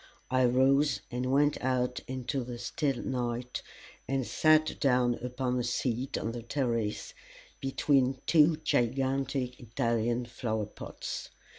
I rose and went out into the still night, and sat down upon a seat on the terrace, between two gigantic Italian flower pots.